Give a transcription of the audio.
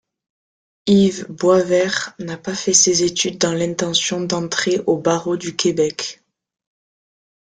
Yves Boisvert n'a pas fait ses études dans l'intention d'entrer au barreau du Québec.